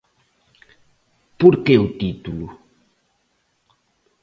Por que o titulo?